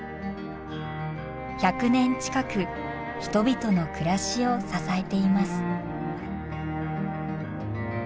１００年近く人々の暮らしを支えています。